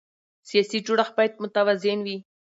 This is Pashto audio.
سیاسي جوړښت باید متوازن وي